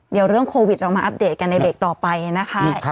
เดี๋ยวเรื่องโควิดเรามาอัปเดตกันในเบรกต่อไปนะคะ